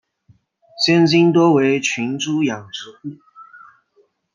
现今多为群猪养殖户。